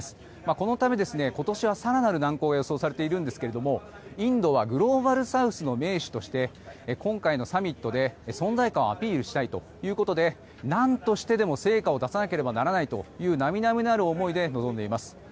このため、今年は更なる難航が予想されているんですがインドはグローバルサウスの盟主として今回のサミットで存在感をアピールしたいということでなんとしてでも成果を出さなければならないという並々ならぬ思いで臨んでいます。